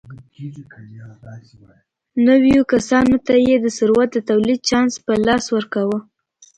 نویو کسانو ته یې د ثروت د تولید چانس په لاس ورکاوه.